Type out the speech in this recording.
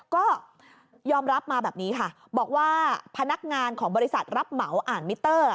ก็ยอมรับมาแบบนี้ค่ะบอกว่าพนักงานของบริษัทรับเหมาอ่านมิเตอร์